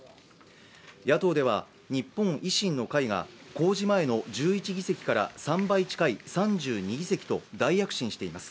野党では日本維新の会が公示前の１１議席から３倍近い３２議席と大躍進しています。